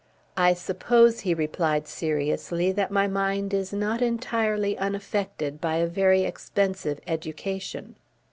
"I suppose," he replied seriously, "that my mind is not entirely unaffected by a very expensive education."